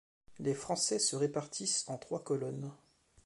Les français se répartissent en trois colonnes.